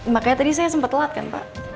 makanya tadi saya sempat telat kan pak